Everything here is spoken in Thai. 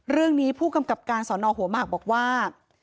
เรื่องนี้ผู้กำกับการสอนอหัวหมากบอกว่า